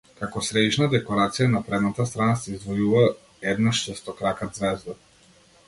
Како средишна декорација на предната страна се издвојува една шестокрака ѕвезда.